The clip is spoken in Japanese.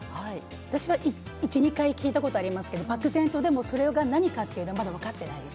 私は１回２回聞いたことありますけれども漠然と、それが何かは分かっていないです。